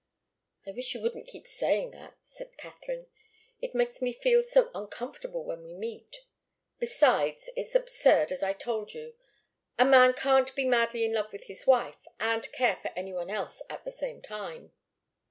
"I wish you wouldn't keep saying that," said Katharine. "It makes me feel so uncomfortable when we meet. Besides, it's absurd, as I told you. A man can't be madly in love with his wife and care for any one else at the same time."